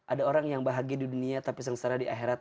ada orang yang bahagia di dunia tapi sengsara di akhirat